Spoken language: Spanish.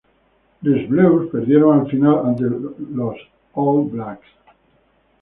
Les Bleus perdieron la final ante los All Blacks.